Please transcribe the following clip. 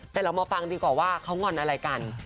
แต่เรามาฟังดีกว่าว่าเขางอนอะไรกัน